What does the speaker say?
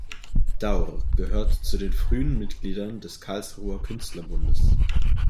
Daur gehört zu den frühen Mitgliedern des Karlsruher Künstlerbundes.